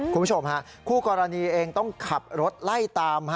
คุณผู้ชมฮะคู่กรณีเองต้องขับรถไล่ตาม